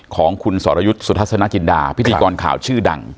ของคุณสรยุทธ์สุทัศนจินดาพิธีกรข่าวชื่อดัง